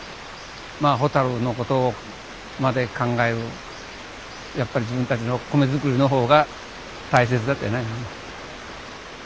まあホタルのことまで考えずやっぱり自分たちの米作りの方が大切だったんじゃないの。